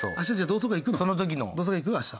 同窓会行く？明日。